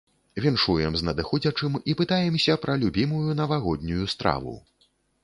Віншуем з надыходзячым і пытаемся пра любімую навагоднюю страву.